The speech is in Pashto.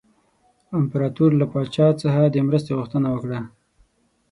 امپراطور له پاچا څخه د مرستې غوښتنه وکړه.